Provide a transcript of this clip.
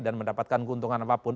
dan mendapatkan keuntungan apapun